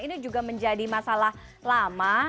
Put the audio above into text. ini juga menjadi masalah lama